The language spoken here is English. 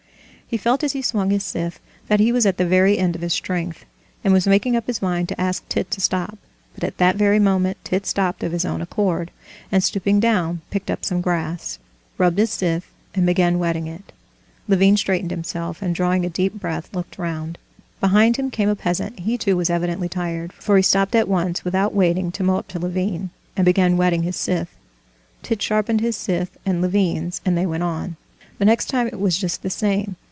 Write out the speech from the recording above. He felt as he swung his scythe that he was at the very end of his strength, and was making up his mind to ask Tit to stop. But at that very moment Tit stopped of his own accord, and stooping down picked up some grass, rubbed his scythe, and began whetting it. Levin straightened himself, and drawing a deep breath looked round. Behind him came a peasant, and he too was evidently tired, for he stopped at once without waiting to mow up to Levin, and began whetting his scythe. Tit sharpened his scythe and Levin's, and they went on. The next time it was just the same.